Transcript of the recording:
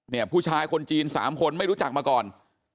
ผู้ชายคนจีน๓คนไม่รู้จักมาก่อน